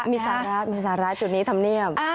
มีสาระมีสาระจุดนี้ทำเนียบ